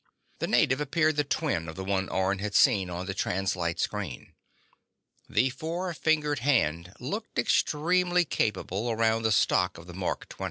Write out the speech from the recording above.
The native appeared the twin of the one Orne had seen on the translite screen. The four fingered hand looked extremely capable around the stock of the Mark XX.